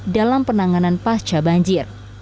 dalam penanganan pasca banjir